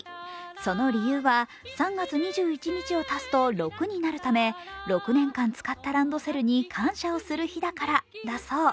その理由は、３月２１日を足すと６になるため、６年間使ったランドセルに感謝をする日だからだそう。